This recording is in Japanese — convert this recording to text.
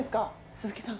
鈴木さん。